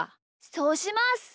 そうします！